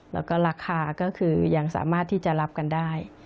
แล้วก็ราคาก็คือยังสามารถที่จะรับกันได้